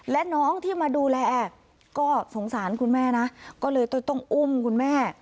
และน้องที่มาดูแลแอบก็สงสารคุณแม่นะก็เลยต้องอุ้มคุณแม่